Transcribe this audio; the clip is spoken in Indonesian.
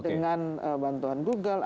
dengan bantuan google